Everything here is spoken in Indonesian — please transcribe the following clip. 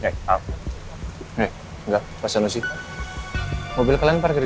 kamu harus bahagia